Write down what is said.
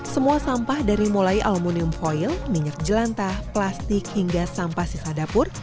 semua sampah dari mulai aluminium foil minyak jelantah plastik hingga sampah sisa dapur